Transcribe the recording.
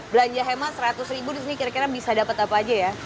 belanja hemat seratus ribu di sini kira kira bisa dapat apa aja ya